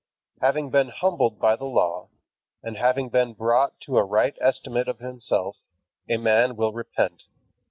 Having been humbled by the Law, and having been brought to a right estimate of himself, a man will repent.